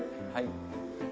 はい。